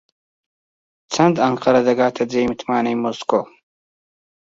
چەند ئەنقەرە دەکاتە جێی متمانەی مۆسکۆ؟